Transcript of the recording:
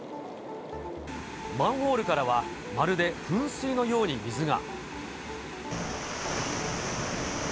マンホールからはまるで噴水のように水が。